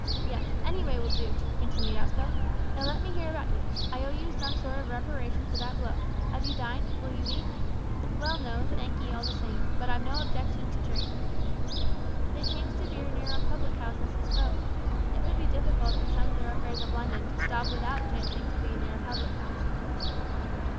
"Yes any way will do," continued Aspel. "Now let me hear about you. I owe you some sort of reparation for that blow. Have you dined? will you eat?" "Well, no; thank 'ee all the same, but I've no objection to drink." They chanced to be near a public house as he spoke. It would be difficult in some thoroughfares of London to stop without chancing to be near a public house!